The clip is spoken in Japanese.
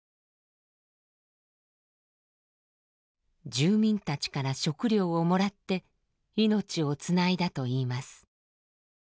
住民たちから食料をもらって命をつないだといいます。